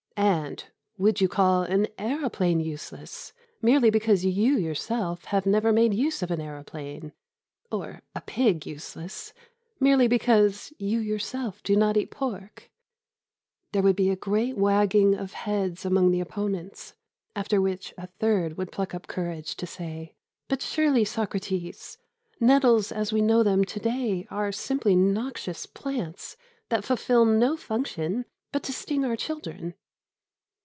"And would you call an aeroplane useless, merely because you yourself have never made use of an aeroplane? Or a pig useless, merely because you yourself do not eat pork?" There would be a great wagging of heads among the opponents, after which a third would pluck up courage to say: "But, surely, Socrates, nettles as we know them to day are simply noxious plants that fulfil no function but to sting our children?"